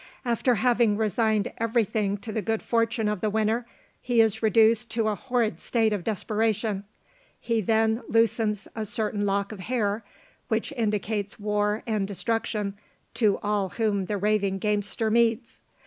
After having resigned everything to the good fortune of the winner, he is reduced to a horrid state of desperation; he then loosens a certain lock of hair, which indicates war and destruction to all whom the raving gamester meets.